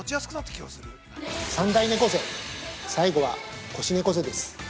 ◆三大猫背最後は「腰猫背」です。